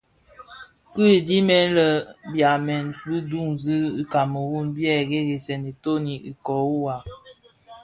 Kidhilè, bi byamèn bi duňzi i Kameru bë ghèsènga itoni ikōō waa.